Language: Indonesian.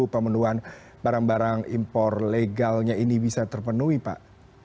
pemenuhan barang barang impor legalnya ini bisa terpenuhi pak